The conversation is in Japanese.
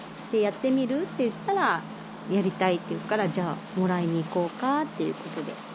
で「やってみる？」って言ったら「やりたい」って言うから「じゃあもらいにいこうか」っていう事で。